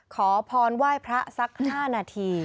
ขอพรไหว้พระสัก๕นาที